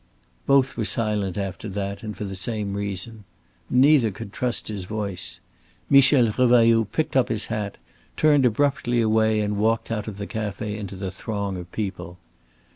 Both were silent after that, and for the same reason. Neither could trust his voice. Michel Revailloud picked up his hat, turned abruptly away and walked out of the café into the throng of people.